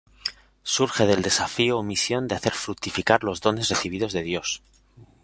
Surge del desafío o misión de hacer fructificar los dones recibidos de Dios.